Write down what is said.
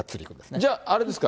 じゃああれですか？